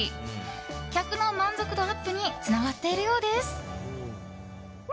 客の満足度アップにつながっているようです。